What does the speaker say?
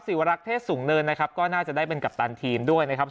วรักษ์เทศสูงเนินนะครับก็น่าจะได้เป็นกัปตันทีมด้วยนะครับ